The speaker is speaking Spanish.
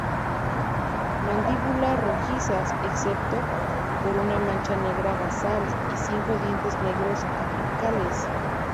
Mandíbula rojizas, excepto por una mancha negra basal y cinco dientes negros apicales.